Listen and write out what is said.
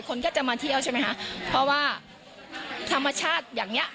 คนก็จะมาเที่ยวใช่ไหมคะเพราะว่าธรรมชาติอย่างเนี้ย